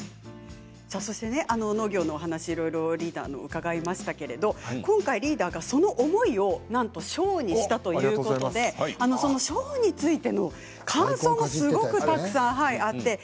農業の話、いろいろリーダーに伺いましたが今回リーダーはその思いをなんとショーにしたということでショーについての感想もあります。